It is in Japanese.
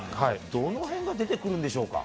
どのへんが出てくるんでしょうか？